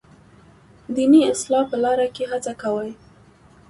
دیني اصلاح په لاره کې هڅه کوي.